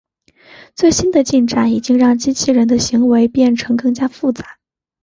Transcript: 最近的进展已经让机器人的行为变成更加复杂。